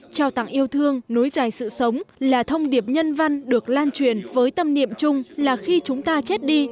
trao tặng yêu thương nối dài sự sống là thông điệp nhân văn được lan truyền với tâm niệm chung là khi chúng ta chết đi